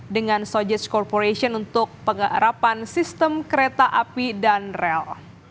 dengan sogis corporation untuk pengharapan sistem kereta api dan rel